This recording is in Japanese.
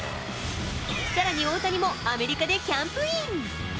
さらに大谷もアメリカでキャンプイン。